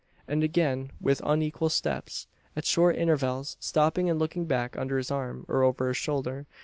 And again with unequal steps: at short intervals stopping and looking back under his arm, or over his shoulder.